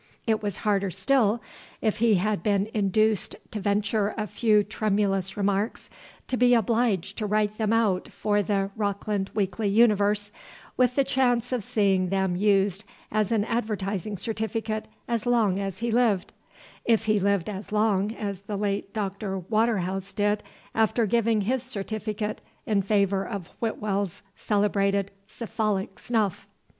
It was harder still, if he had been induced to venture a few tremulous remarks, to be obliged to write them out for the "Rockland Weekly Universe," with the chance of seeing them used as an advertising certificate as long as he lived, if he lived as long as the late Dr. Waterhouse did after giving his certificate in favor of Whitwell's celebrated Cephalic Snuff.